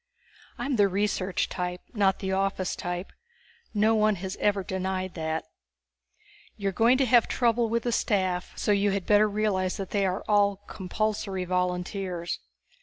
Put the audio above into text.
I'm the research type, not the office type; no one has ever denied that._ _You're going to have trouble with the staff, so you had better realize that they are all compulsory volunteers.